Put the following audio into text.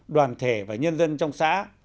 đoàn thể và nhân dân trong xã